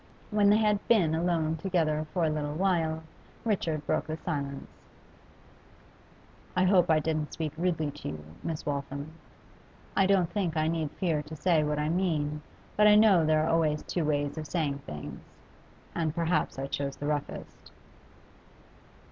When they had been alone together for a little while, Richard broke the silence. 'I hope I didn't speak rudely to you; Miss Waltham. I don't think I need fear to say what I mean, but I know there are always two ways of saying things, and perhaps I chose the roughest.